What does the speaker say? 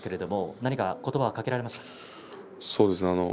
何か言葉をかけられましたか。